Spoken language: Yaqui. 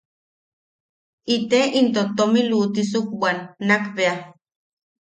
Ite into tomi luʼutisuk bwan nakbea.